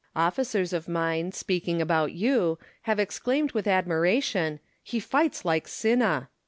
Officers of mine, speaking about you, have exclaimed with admiration, " He fights like Cinna."